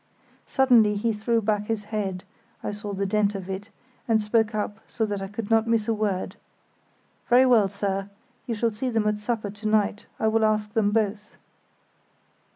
Suddenly he threw back his head—I saw the dent of it—and spoke up so that I could not miss a word. "Very well, sir, you shall see them at supper to night; I will ask them both."